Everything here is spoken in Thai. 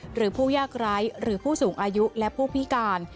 หรือผู้ยากไร้หรือผู้สูงอายุและผู้พิการ